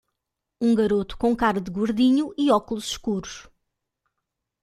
Um garoto com cara de gordinho e óculos escuros.